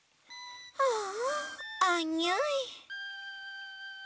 ああアンニュイ。